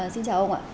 xin chào ông ạ